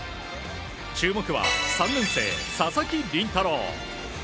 注目は３年生、佐々木麟太郎。